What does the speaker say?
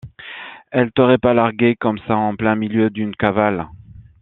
Elle t'aurait pas largué comme ça en plein milieu d'une cavale.